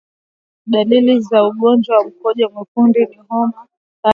Dalili za ugonjwa wa mkojo mwekundu ni homa kali kwa mbuzi